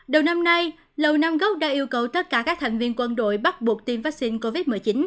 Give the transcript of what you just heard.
đầu năm nay lầu nam gốc đã yêu cầu tất cả các thành viên quân đội bắt buộc tiêm vaccine covid một mươi chín